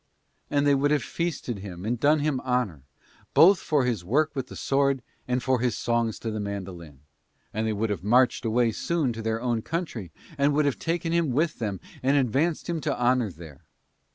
And they would have feasted him and done him honour, both for his work with the sword and for his songs to the mandolin; and they would have marched away soon to their own country and would have taken him with them and advanced him to honour there.